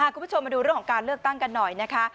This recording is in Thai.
คุณผู้ชมมาดูเรื่องของการเลือกตั้งกันหน่อยนะคะ